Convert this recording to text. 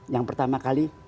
yang pertama kali